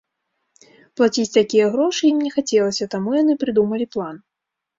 Плаціць такія грошы ім не хацелася, таму яны прыдумалі план.